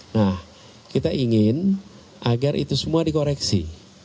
nah kita ingin agar itu semua dikoreksi